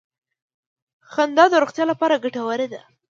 • خندا د روغتیا لپاره ګټوره ده.